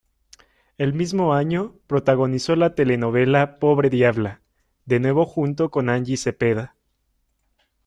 El mismo año, protagonizó la telenovela "Pobre diabla", de nuevo junto con Angie Cepeda.